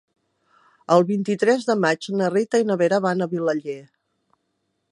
El vint-i-tres de maig na Rita i na Vera van a Vilaller.